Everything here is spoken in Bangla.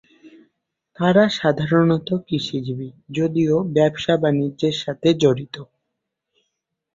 তাঁরা সাধারণত কৃষিজীবী যদিও ব্যবসা-বাণিজ্যের সাথেও জড়িত।